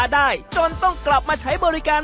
ได้จนต้องกลับมาใช้บริการ